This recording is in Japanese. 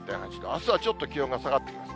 あすはちょっと気温が下がってきます。